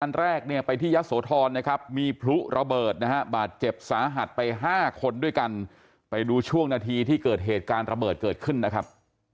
แรกเนี่ยไปที่ยะโสธรนะครับมีพลุระเบิดนะฮะบาดเจ็บสาหัสไป๕คนด้วยกันไปดูช่วงนาทีที่เกิดเหตุการณ์ระเบิดเกิดขึ้นนะครับ